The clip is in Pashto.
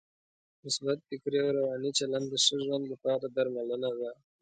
مثبت فکري او روانی چلند د ښه ژوند لپاره درملنه ده.